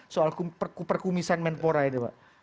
soal perkumisan menpora ini pak